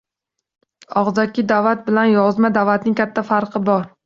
Og‘zaki da’vat bilan yozma da’vatning katta farqi bor.